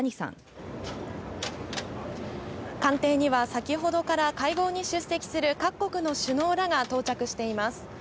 官邸には先ほどから会合に出席する各国の首脳らが到着しています。